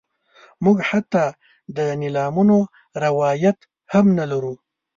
موږ حتی د نیلامونو روایت هم نه لرو.